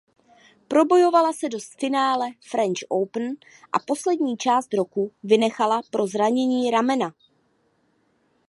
Probojovala se do finále French Open a poslední část roku vynechala pro zranění ramena.